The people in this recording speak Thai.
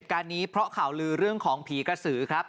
การนี้เพราะข่าวลือเรื่องของผีกระสือครับ